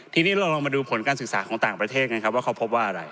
ทีนี้เราลองมาดูผลการศึกษาของต่างประเทศไงครับว่าเขาพบว่าอะไร